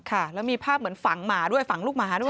ค่ะแล้วมีภาพเหมือนฝังหมาด้วยฝังลูกหมาด้วย